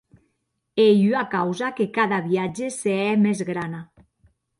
Ei ua causa que cada viatge se hè mès grana.